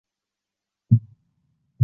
故事发生在安平山。